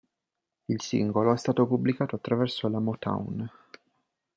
Il singolo è stato pubblicato attraverso la Motown.